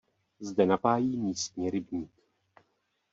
Zde napájí místní rybník.